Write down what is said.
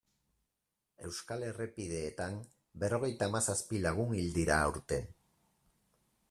Euskal errepideetan berrogeita hamazazpi lagun hil dira aurten.